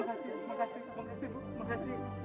makasih makasih makasih bu